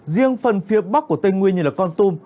riêng phần phía bắc của tây nguyên như con tum